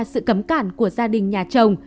sự cấm cản của gia đình nhà chồng